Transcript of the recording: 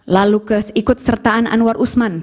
lalu keikut sertaan anwar usman